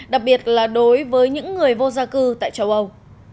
đặc biệt là đối với những người vô gia cư tại châu âu